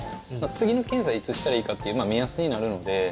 次の検査いつしたらいいかという目安になるので。